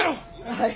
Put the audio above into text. はい。